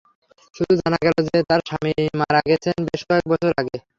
শুধু জানা গেল যে, তার স্বামী মারা গেছেন বেশ কয়েক বছর আগে।